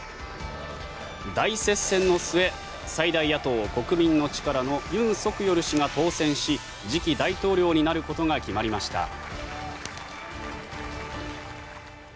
大接戦の末最大野党・国民の力のユン・ソクヨル氏が当選し次期大統領になることが決まりました。